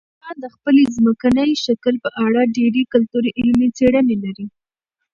افغانستان د خپل ځمکني شکل په اړه ډېرې ګټورې علمي څېړنې لري.